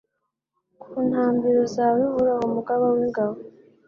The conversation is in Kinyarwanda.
ku ntambiro zawe Uhoraho Mugaba w’ingabo